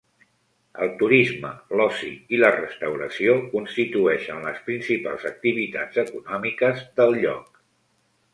El turisme, l'oci i la restauració constituïxen les principals activitats econòmiques del lloc.